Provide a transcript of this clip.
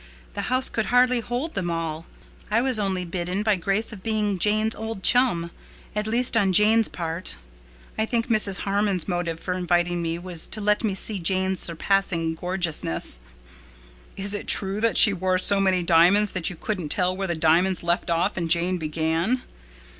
The house could hardly hold them all. I was only bidden by grace of being Jane's old chum—at least on Jane's part. I think Mrs. Harmon's motive for inviting me was to let me see Jane's surpassing gorgeousness." "Is it true that she wore so many diamonds that you couldn't tell where the diamonds left off and Jane began?"